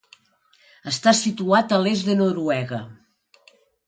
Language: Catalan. Està situat a l'est de Noruega.